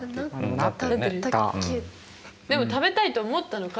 でも食べたいと思ったのか？